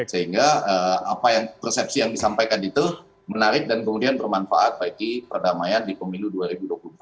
sehingga apa persepsi yang disampaikan itu menarik dan kemudian bermanfaat bagi perdamaian di pemilu dua ribu dua puluh empat